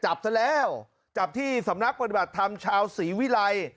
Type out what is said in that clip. จับซะแล้วจับที่สำนักปฏิบัติธรรมชาวศรีวิรัย